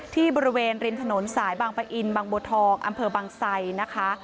ที่บริเวณริมถนนสายบางปะอินบางบัวทองอำเภอบางไซนะคะ